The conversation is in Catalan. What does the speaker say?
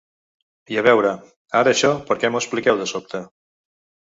I a veure, ara això per què m’ho expliqueu de sobte?